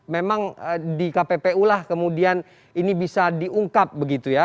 memang di kppu lah kemudian ini bisa diungkap begitu ya